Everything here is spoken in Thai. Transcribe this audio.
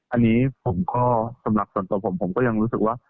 อันนี้ผมก็สำหรับส่วนตัวผมผมก็ยังรู้สึกว่า